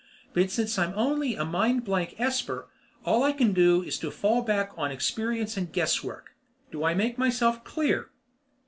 But since I'm only a mind blank esper, all I can do is to fall back on experience and guesswork. Do I make myself clear?"